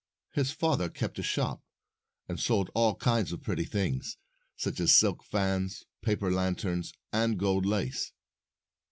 His father kept a shop, and sold all kinds of pretty things, such as silk fans, paper lanterns, and gold lace.